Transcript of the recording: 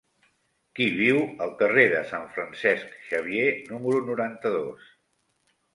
Qui viu al carrer de Sant Francesc Xavier número noranta-dos?